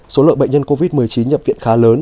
số lượng bệnh nhân covid một mươi chín nhập viện khá lớn